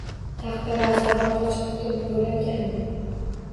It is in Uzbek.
Taqdiri azaldan qochib qutulib bo`larkanmi